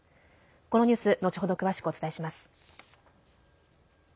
このニュース後ほど詳しくお伝えします。